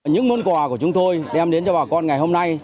những món quà của chúng tôi đem đến cho bà con ngày hôm nay